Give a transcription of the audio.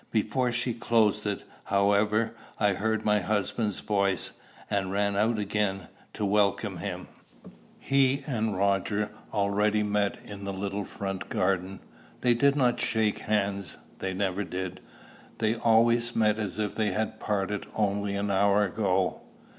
Before she closed it, however, I heard my husband's voice, and ran out again to welcome him. He and Roger had already met in the little front garden. They did not shake hands they never did they always met as if they had parted only an hour ago.